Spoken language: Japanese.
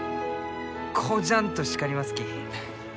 こじゃんと叱りますき。